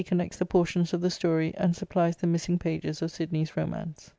connects the portions of the story and supplies the missing pages of Sidney's romance.